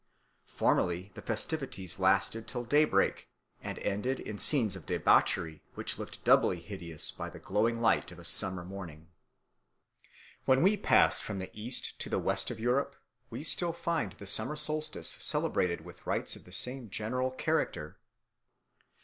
Formerly the festivities lasted till daybreak, and ended in scenes of debauchery which looked doubly hideous by the growing light of a summer morning. When we pass from the east to the west of Europe we still find the summer solstice celebrated with rites of the same general character.